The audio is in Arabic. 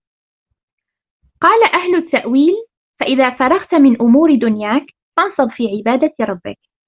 قَالَ أَهْلُ التَّأْوِيلِ فَإِذَا فَرَغْت مِنْ أُمُورِ دُنْيَاك فَانْصَبْ فِي عِبَادَةِ رَبِّك